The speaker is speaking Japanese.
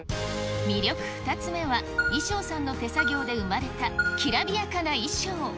魅力２つ目は、衣装さんの手作業で生まれたきらびやかな衣装。